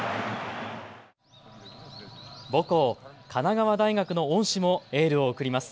母校神奈川大学の恩師もエールを送ります。